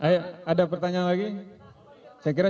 ya setelah itu iya ya gimana